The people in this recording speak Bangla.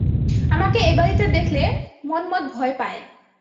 আমাকে এ বাড়িতে দেখলে মন্মথ ভয় পায়।